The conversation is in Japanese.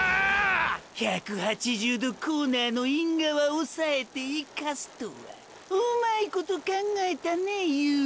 １８０度コーナーのイン側おさえて行かすとはうまいこと考えたねユートゥ。